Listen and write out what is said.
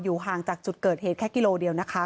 ห่างจากจุดเกิดเหตุแค่กิโลเดียวนะคะ